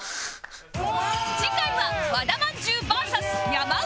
次回は和田まんじゅう ＶＳ 山内